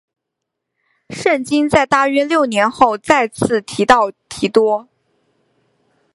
圣经在大约六年后再次提到提多。